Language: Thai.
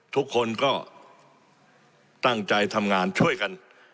ทุกคนก็ตั้งใจทำงานช่วยกัน